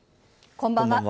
こんばんは。